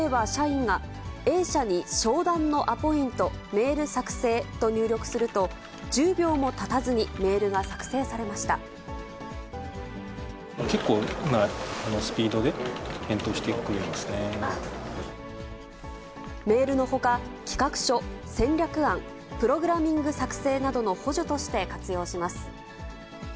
例えば、社員が、Ａ社に商談のアポイント、メール作成と入力すると、１０秒もたたずにメールが作結構なスピードで、返答してメールのほか、企画書、戦略案、プログラミング作成などの補助として活用します。